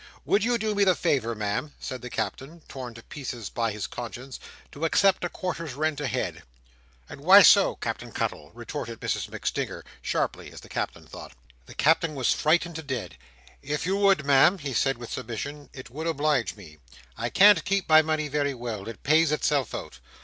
Would you do me the favour, Ma'am," said the Captain, torn to pieces by his conscience, "to accept a quarter's rent ahead?" "And why so, Cap'en Cuttle?" retorted Mrs MacStinger—sharply, as the Captain thought. The Captain was frightened to dead "If you would Ma'am," he said with submission, "it would oblige me. I can't keep my money very well. It pays itself out.